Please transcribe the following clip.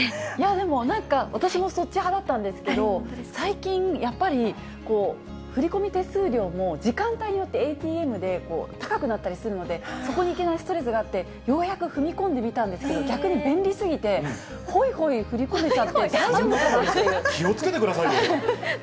でもなんか、私もそっち派だったんですけれども、最近、やっぱり振り込み手数料も、時間帯によってＡＴＭで高くなったりするので、そこに行けないストレスがあって、ようやく踏み込んでみたんですけれども、逆に便利すぎて、ほいほい振り込めちゃって、大丈夫かなって。